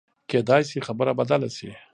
کېدای شي خبره بدله شي.